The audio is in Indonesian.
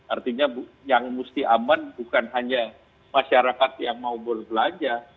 artinya yang mesti aman bukan hanya masyarakat yang mau berbelanja